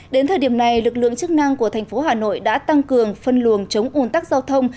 đến thời điểm này lực lượng chức năng của thành phố hà nội đã tăng cường phân luồng chống ủn tắc giao thông